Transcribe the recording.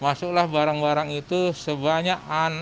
masuklah barang barang itu sebanyakan lima ratus dua puluh enam juta